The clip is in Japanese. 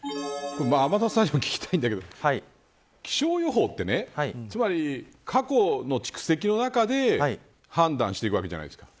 天達さんに聞きたいんだけど気象予報って、過去の蓄積の中で判断していくわけじゃないですか。